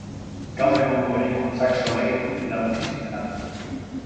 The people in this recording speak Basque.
Gaur egungo eraikuntzak solairu laukizuzena du.